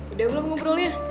udah belum ngobrolnya